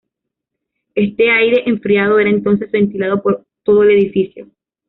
Este aire enfriado era entonces ventilado por todo el edificio.